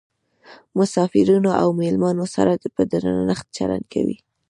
مسافرینو او میلمنو سره په درنښت چلند کوي.